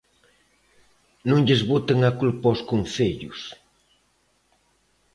Non lles boten a culpa aos concellos.